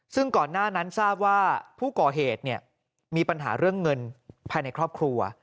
ซึ่งก่อนหน้านั้นทราบว่าผู้ก่อเหตุมีปัญหาเรื่องเงินภายในครอบครัว